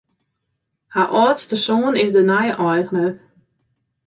Har âldste soan is de nije eigner.